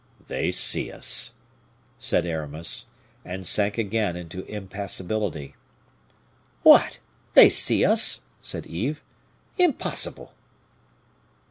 "They see us," said Aramis, and sank again into impassibility. "What! they see us!" said Yves. "Impossible!"